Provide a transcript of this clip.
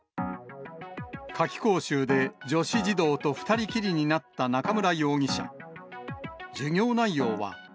夏期講習で女子児童と２人きりになった中村容疑者。